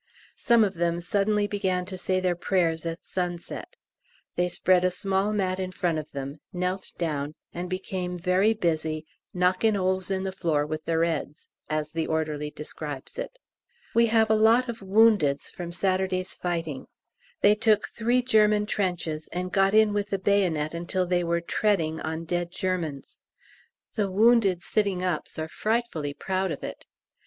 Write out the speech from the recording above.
Some of them suddenly began to say their prayers at sunset. They spread a small mat in front of them, knelt down, and became very busy "knockin' 'oles in the floor with their 'eads," as the orderly describes it. We have a lot of woundeds from Saturday's fighting. They took three German trenches, and got in with the bayonet until they were "treading" on dead Germans! The wounded sitting ups are frightfully proud of it.